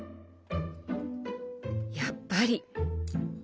やっぱり。